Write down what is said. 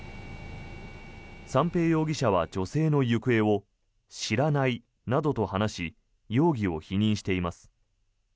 三瓶容疑者は女性の行方を知らないなどと話し容疑を否認しています。